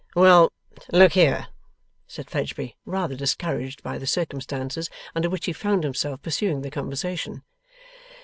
'Well, look here,' said Fledgeby, rather discouraged by the circumstances under which he found himself pursuing the conversation.